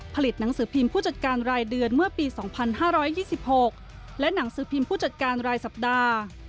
ผลิตหนังสือพิมพ์ผู้จัดการรายเดือนเมื่อปี๒๕๒๖และหนังสือพิมพ์ผู้จัดการรายสัปดาห์